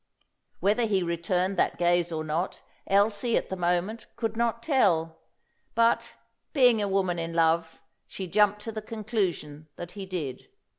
Whether he returned that gaze or not, Elsie, at the moment, could not tell. But, being a woman in love, she jumped to the conclusion that he did.